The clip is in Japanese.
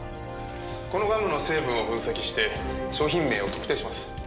このガムの成分を分析して商品名を特定します。